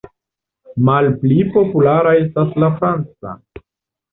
Malpli populara estas la franca.